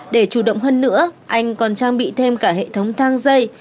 để chủ động hơn nữa anh còn trang bị thêm cả hệ thống thang dây